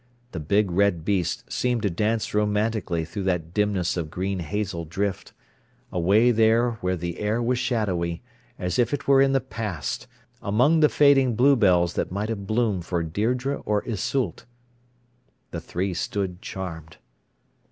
The big red beast seemed to dance romantically through that dimness of green hazel drift, away there where the air was shadowy, as if it were in the past, among the fading bluebells that might have bloomed for Deidre or Iseult. The three stood charmed.